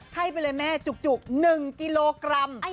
ให้ไปเลยแม่จุก๑กิโลกรัม